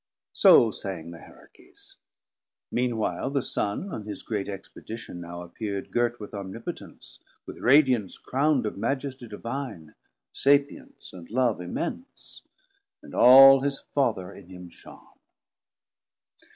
So sang the Hierarchies: Mean while the Son On his great Expedition now appeer'd, Girt with Omnipotence, with Radiance crown'd Of Majestie Divine, Sapience and Love Immense, and all his Father in him shon.